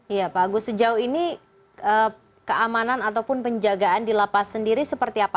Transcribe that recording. iya pak agus sejauh ini keamanan ataupun penjagaan di lapas sendiri seperti apa